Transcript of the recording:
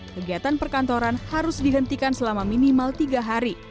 kegiatan perkantoran harus dihentikan selama minimal tiga hari